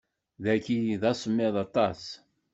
Dagi d asemmiḍ aṭas.